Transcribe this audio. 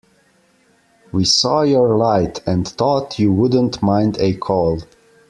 We saw your light, and thought you wouldn't mind a call.